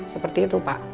seperti itu pak